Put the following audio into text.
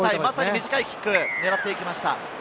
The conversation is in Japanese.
短いキックを狙っていきました。